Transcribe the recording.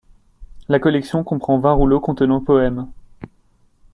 La collection comprend vingt rouleaux contenant poèmes.